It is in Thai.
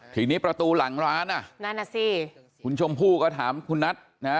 ทีนี้ประตูหลังร้านคุณชมผู้ก็ถามคุณนัท